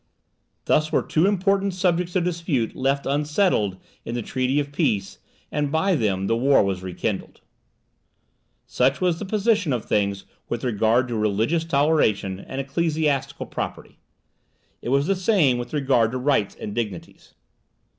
Thus were two important subjects of dispute left unsettled in the treaty of peace, and by them the war was rekindled. Such was the position of things with regard to religious toleration and ecclesiastical property: it was the same with regard to rights and dignities.